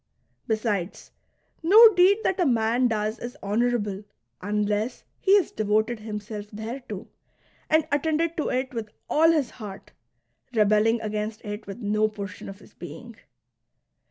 Besides, no deed that a man does is honourable un less he has devoted himself thereto and attended to it with all his heart, rebelling against it with no portion of his being.